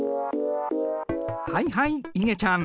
はいはいいげちゃん。